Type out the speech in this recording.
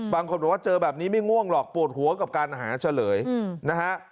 บางคนบอกว่าเจอแบบนี้ไม่ง่วงหรอกปวดหัวกับการหาเฉลยนะฮะ